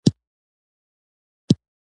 څوک چې عشق لري، تل په زړه کې امید لري.